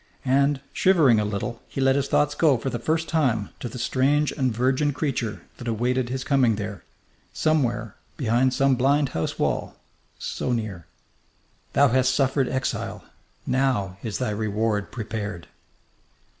And, shivering a little, he let his thoughts go for the first time to the strange and virgin creature that awaited his coming there, somewhere, behind some blind house wall, so near. "Thou hast suffered exile. Now is thy reward prepared."